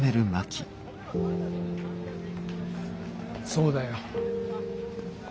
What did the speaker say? そうだよ。